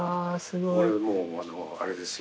俺ももうあれですよ